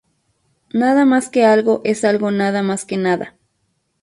Nada más que algo es algo nada más que nada.